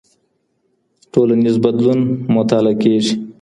ټولنيز بدلون مطالعه کيږي.